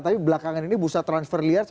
tapi belakangan ini bursa transfer lebih banyak